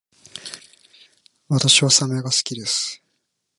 私はサメが好きです